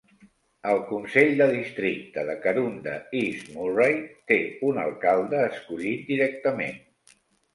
El Consell de Districte de Karoonda East Murray té un alcalde escollit directament.